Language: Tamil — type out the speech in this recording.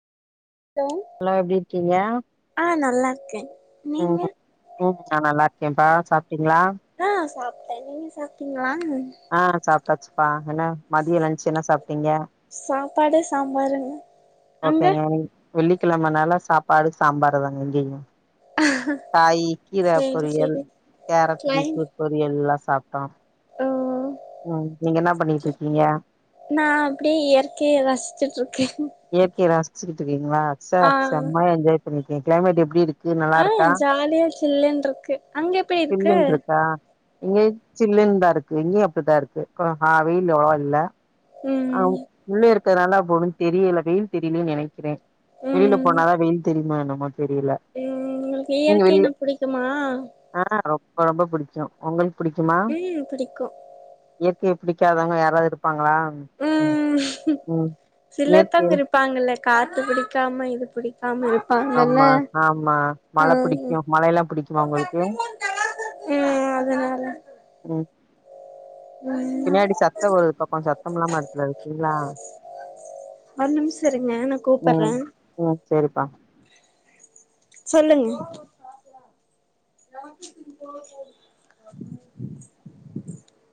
ஹலோ எப்டியிருக்கிங்க ஆ நல்லா இருக்கே நீங்க ம் ம் நா நல்லா இருக்கேன்பா சாப்டீங்களா ஆ சாப்டே நீங்க சாப்டீங்களா ஆ சாப்டாச்சிபா என்ன மதிய லஞ்ச் என்ன சாப்டீங்க சாப்பாடு சாம்பாருங்க அங்க ஓகேங்க வெள்ளிக்கெழமனால சாப்பாடு சாம்பாரு தாங்க இங்கயு காயி கீர சேரி பொரியல் சேரி கேரட் கிளைம் பீட்ரூட் பொரியல்லா சாப்டோ ஓ ம் நீங்க என்ன பண்ணிட்டு இருக்கீங்க நா அப்டி இயற்கைய ரசிச்சிட்டிருக்கே இயற்கைய ரசிச்சி கிட்டு இருக்கீங்களா செ செமையா என்ஜாய் பண்ணிருக்கிங்க கிளைமேட் எப்டி இருக் ஆ ஜாலியா சில்லுன்டிருக்கு அங்க எப்டி இருக்கு இங்கேயு சில்லுன்னு தா இருக்கு இங்கேயு அப்டிதா இருக்கு அ வெயில் அவ்ளோவா இல்ல ஆ ம் உள்ளயே இருக்கறனால அவ்ளோ ஒன்னு தெரியல வெயில் தெரியலன்னு நெனைக் க்கிறே வெளியில ம் போனாதா வெயில் தெரியுமா என்னமோ தெரியல ம் உங்களுக்கு நீங்க வெளில இயற்கைனா புடிக்குமா ஆ ரொம்ப ரொம்ப புடிக்கு உங்களுக்கு புடிக்குமா ம் புடிக்கு இயற்கைய புடிக்காதவங்க யாராவது இருப்பாங்களா ம் ம் சிலத்தங்க இயற்கையில இருப் பாங்கல்ல காத்து புடிக்காம இது புடிக்காம ஆமா ஆமா மழ ம் புடிக்கு மழை எல்லா புடிக்குமா உங்களுக்கு ம் அதனால ம் ம் பின்னாடி சத்தோ வருது பா கொஞ்சோ சத்தம் இல்லாம எடத்துல இருக்கீங்களா ஒரு நிம்ஷோ இருங்க நா ம் கூப்பட்றே ம் சேரிப்பா சொல்லுங்க